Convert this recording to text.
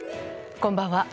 こんばんは。